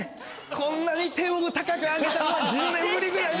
こんなに手を高く上げたのは１０年ぶりぐらいです。